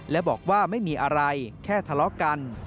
และบอกว่าไม่มีอะไรแค่ทะเลาะกัน